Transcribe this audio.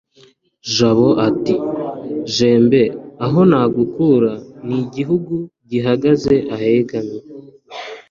Jabo iti:Jembe aho nagukura N'igihugu gihagaze uhagamye,